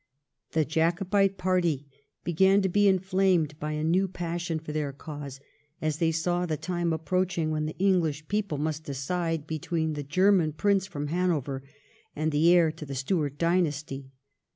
The Jaco bite party began to be inflamed by a new passion for their cause as they saw the time approaching when the English people must decide between the German Prince from Hanover and the heir to the Stuart dynasty.